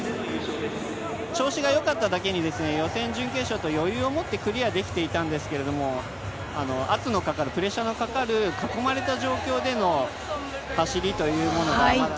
調子がよかっただけに予選、準決勝と余裕を持ってクリアできていたんですけれど、プレッシャーのかかる囲まれた状況での走りというものが。